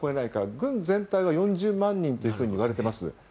軍全体は４０万人といわれています。